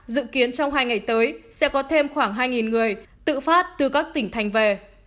dự kiến trong hai ngày tới sẽ có thêm khoảng hai người tự phát từ các tỉnh thành về